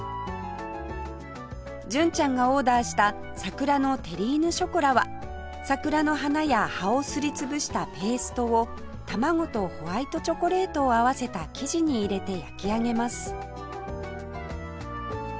純ちゃんがオーダーしたさくらのテリーヌショコラは桜の花や葉をすり潰したペーストを卵とホワイトチョコレートを合わせた生地に入れて焼き上げます